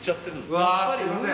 わすいません。